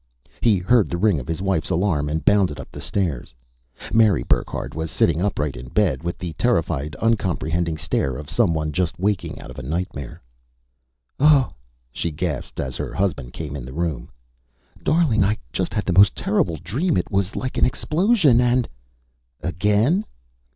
He heard the ring of his wife's alarm and bounded up the stairs. Mary Burckhardt was sitting upright in bed with the terrified, uncomprehending stare of someone just waking out of a nightmare. "Oh!" she gasped, as her husband came in the room. "Darling, I just had the most terrible dream! It was like an explosion and " "Again?"